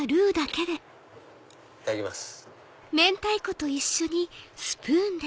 いただきます。